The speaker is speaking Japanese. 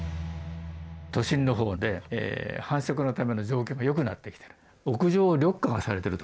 都心のほうで繁殖のための状況が良くなってきた。